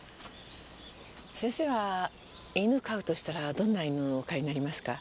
先生は犬飼うとしたらどんな犬お飼いになりますか？